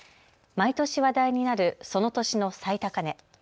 毎年話題になるその年の最高値。